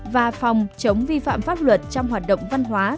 và phòng chống vi phạm pháp luật trong hoạt động văn hóa